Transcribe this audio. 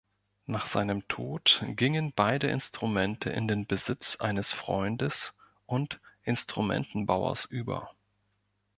Nach seinem Tod gingen beide Instrumente in den Besitz eines Freundes und Instrumentenbauers über.